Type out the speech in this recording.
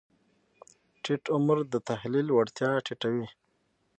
ټیټ عمر د تحلیل وړتیا ټیټه وي.